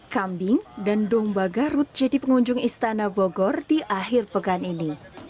kambing dan domba garut jadi pengunjung istana bogor di akhir pekan ini